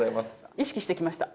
意識して着ました。